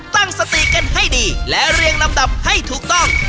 ตั้งสติกันให้ดีและเรียงลำดับให้ถูกต้อง